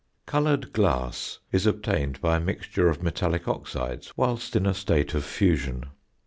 "Coloured glass is obtained by a mixture of metallic oxides whilst in a state of fusion.